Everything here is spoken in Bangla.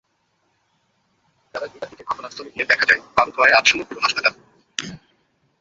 বেলা দুইটার দিকে ঘটনাস্থলে গিয়ে দেখা যায়, কালো ধোঁয়ায় আচ্ছন্ন পুরো হাসপাতাল।